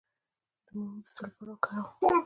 د موم د څه لپاره وکاروم؟